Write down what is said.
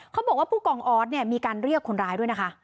เขาบอกว่าผู้กองออสเนี่ยมีการเรียกคนร้ายด้วยนะคะ